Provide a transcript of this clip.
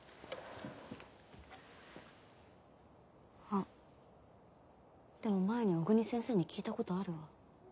あっでも前に小国先生に聞いたことあるわ。